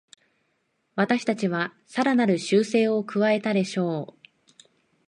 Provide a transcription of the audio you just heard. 私たちはさらなる修正を加えたでしょう